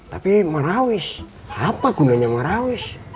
tapi mah rawis apa gunanya mah rawis